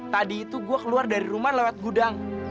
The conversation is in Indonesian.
tadi itu gue keluar dari rumah lewat gudang